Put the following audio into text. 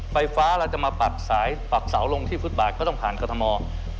ไฟฟ้าเราจะมาปักสายปักเสาลงที่ฟุตบาทก็ต้องผ่านกรทม